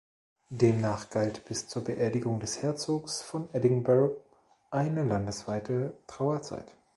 Demnach galt bis zur Beerdigung des Herzogs von Edinburgh eine landesweite Trauerzeit.